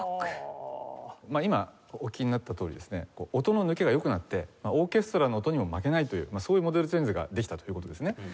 今お聴きになったとおりですね音の抜けが良くなってオーケストラの音にも負けないというそういうモデルチェンジができたという事ですね。